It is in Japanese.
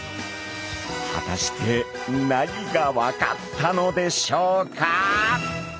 果たして何が分かったのでしょうか？